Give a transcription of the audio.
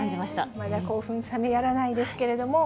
まだ興奮冷めやらないですけれども。